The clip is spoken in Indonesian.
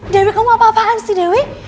dewi kamu apa apaan sih dewi